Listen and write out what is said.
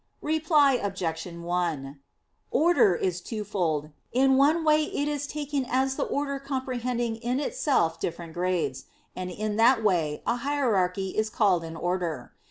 Reply Obj. 1: Order is twofold. In one way it is taken as the order comprehending in itself different grades; and in that way a hierarchy is called an order.